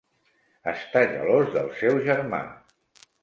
Està gelós del seu germà.